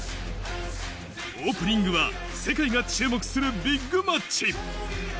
オープニングは世界が注目するビッグマッチ。